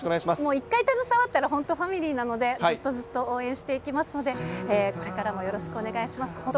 もう、１回携わったら、本当、ファミリーなので、ずっとずっと応援していきますので、これからもよろしくお願いします。